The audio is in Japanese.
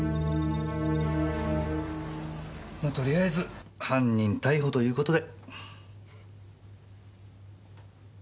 まとりあえず犯人逮捕という事で。